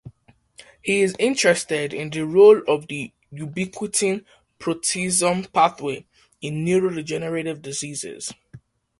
He is interested in the role of the ubiquitin proteasome pathway in neurodegenerative diseases.